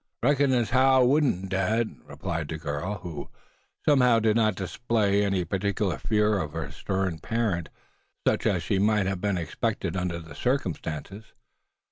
"Reckons as how I wudn't, dad," replied the girl; who, somehow, did not seem to display any particular fear of the stern parent, such as might have been expected under the circumstances.